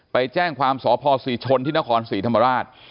ไปแจ้งความสพศรีชนที่นครศรีธรรมราช